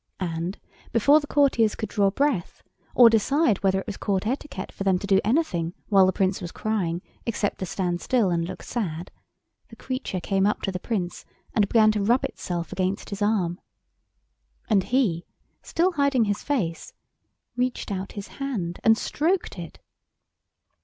And, before the courtiers could draw breath or decide whether it was Court etiquette for them to do anything while the Prince was crying except to stand still and look sad, the creature came up to the Prince and began to rub itself against his arm. And he, still hiding his face, reached out his hand and stroked it!